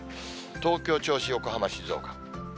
東京、銚子、横浜、静岡。